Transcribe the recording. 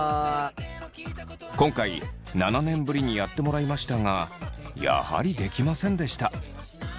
今回７年ぶりにやってもらいましたがやはりできませんでした。